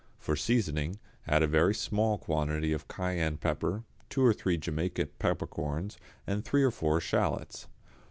For seasoning add a very small quantity of cayenne pepper, two or three Jamaica peppercorns and three or four shallots.